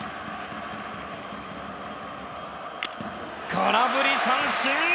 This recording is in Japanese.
空振り三振。